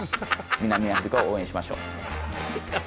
南アフリカを応援しましょう。